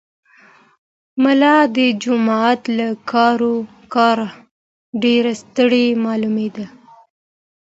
ملا د جومات له کاره ډېر ستړی معلومېده.